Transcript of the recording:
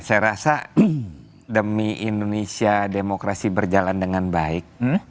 saya rasa demi indonesia demokrasi berjalan dengan baik